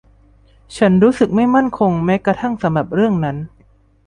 ฉันรู้สึกไม่มั่นคงแม้กระทั่งสำหรับเรื่องนั้น